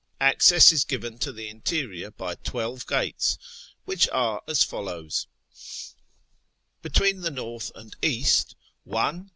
Access is given to the interior by twelve gates, which are as follows :— Between the north and the east — 1.